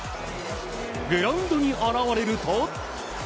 グラウンドに現れると。